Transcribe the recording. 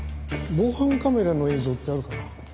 防犯カメラの映像ってあるかな？